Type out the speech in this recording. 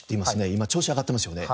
今調子上がってますよね？